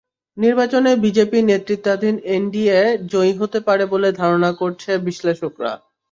নির্বাচনে বিজেপি নেতৃত্বাধীন এনডিএ জয়ী হতে পারে বলে ধারণা করছেন বিশ্লেষকেরা।